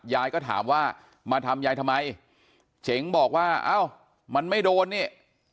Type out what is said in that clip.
ยายก็ถามว่ามาทำยายทำไมเจ๋งบอกว่าเอ้ามันไม่โดนนี่